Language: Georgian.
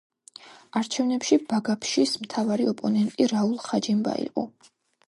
არჩევნებში ბაგაფშის მთავარი ოპონენტი რაულ ხაჯიმბა იყო.